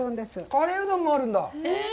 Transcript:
カレーうどんもあるんだ。